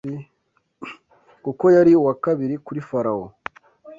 kuko yari uwa kabiri kuri Farawo